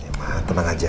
ya ma tenang aja